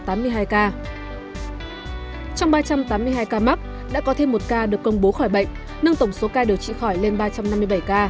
trong ba trăm tám mươi hai ca mắc đã có thêm một ca được công bố khỏi bệnh nâng tổng số ca điều trị khỏi lên ba trăm năm mươi bảy ca